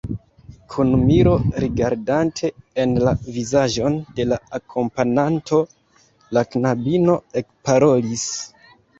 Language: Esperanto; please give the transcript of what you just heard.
Kun miro rigardante en la vizaĝon de la akompananto, la knabino ekparolis.